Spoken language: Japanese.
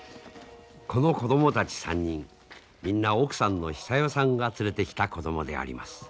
この子供たち３人みんな奥さんの久代さんが連れてきた子供であります。